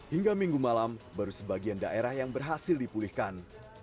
hingga minggu malam baru sebagian daerah yang berhasil dipulihkan